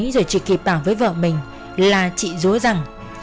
rồi chị kịp bảo với vợ mình là chị rối rằng